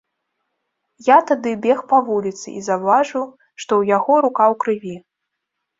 Я тады бег па вуліцы і заўважыў, што ў яго рука ў крыві.